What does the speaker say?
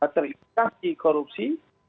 terlibat di korupsi